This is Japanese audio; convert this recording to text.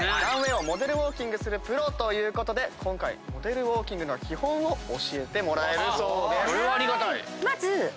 ランウェイをモデルウォーキングするプロということで今回モデルウォーキングの基本を教えてもらえるそうです。